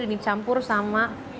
ini dicampur sama